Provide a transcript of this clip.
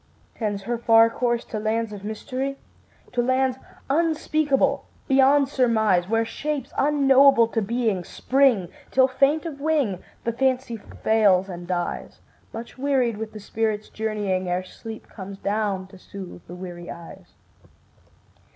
Tends her far course to lands of mystery? To lands unspeakable beyond surmise, Where shapes unknowable to being spring, Till, faint of wing, the Fancy fails and dies Much wearied with the spirit's journeying, Ere sleep comes down to soothe the weary eyes.